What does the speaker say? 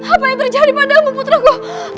apa yang terjadi padamu putraku